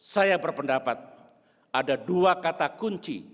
saya berpendapat ada dua kata kunci